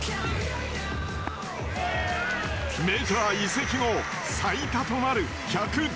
メジャー移籍後最多となる１１７球。